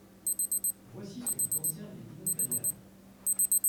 Voici ce qui concerne les Dinoflagellata.